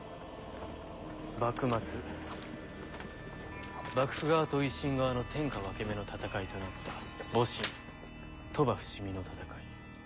幕末幕府側と維新側の天下分け目の戦いとなった戊辰鳥羽伏見の戦い。